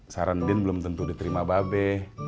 saran din belum tentu diterima babe